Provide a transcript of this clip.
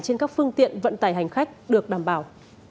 trên các phương tiện vận tải hành khách được đảm bảo